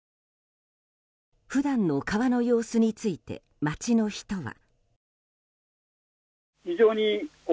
普段の川の様子について街の人は。